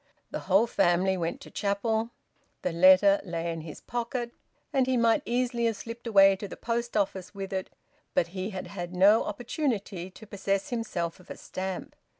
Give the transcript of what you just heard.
The whole family went to chapel. The letter lay in his pocket, and he might easily have slipped away to the post office with it, but he had had no opportunity to possess himself of a stamp.